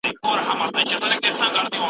د خوړو ترمنځ فاصله مراعات کړئ.